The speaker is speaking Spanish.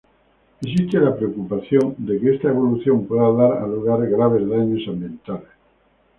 Existe la preocupación de que esta evolución puede dar a lugar graves daños ambientales.